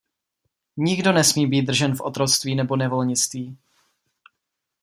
Nikdo nesmí být držen v otroctví nebo nevolnictví.